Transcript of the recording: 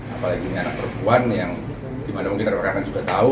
apalagi ini anak perempuan yang dimana mungkin rekan rekan juga tahu